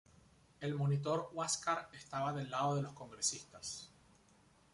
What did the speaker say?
El monitor "Huáscar" estaba del lado de los congresistas.